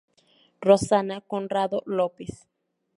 Rosana Conrado Lopes